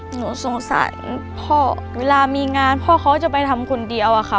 หนูสงสารพ่อเวลามีงานพ่อเขาจะไปทำคนเดียวอะค่ะ